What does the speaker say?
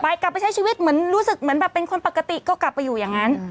กลับไปกลับไปใช้ชีวิตเหมือนรู้สึกเหมือนแบบเป็นคนปกติก็กลับไปอยู่อย่างนั้น